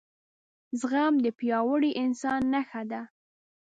زغم دپیاوړي انسان نښه ده